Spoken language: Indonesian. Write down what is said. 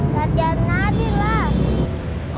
latihan nari lah